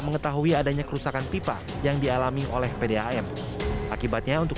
mengetahui adanya kerusakan pipa yang dialami oleh pdam akibatnya untuk